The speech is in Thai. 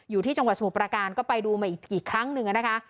อยู่ที่จังหวะสมุปราการก็ไปดูมาอีกคลั้งหนึ่งอ่ะนะคะ